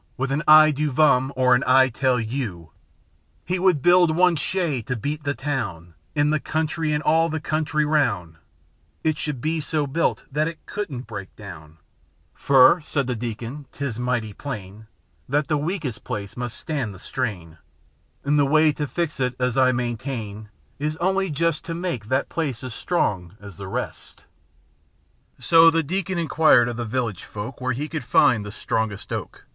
With an '^I dew vam'' or an "T tell yeou*), He would build one shay to beat the taown V the keounty V all the kentry raoun'; It should be so built that it couldna' break daown; The Deacon's Masterpiece 581 â ^ Fur," said the Deacon, " 't's mighty plain That the weakes' place mus' stan' the strain; V the way t' fix it, ml I maintain. Is only jest T' make that place uz strong uz the rest/' So the deacon inquired of the village folk Where he could find the strongest oak.